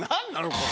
これ。